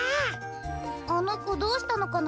あのこどうしたのかな？